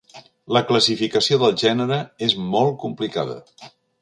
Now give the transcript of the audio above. La classificació del gènere és molt complicada.